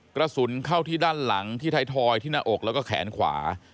กระสุนเข้าที่ด้านหลังที่ไทยทอยที่หน้าอกแล้วก็แขนขวา